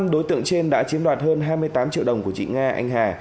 năm đối tượng trên đã chiếm đoạt hơn hai mươi tám triệu đồng của chị nga anh hà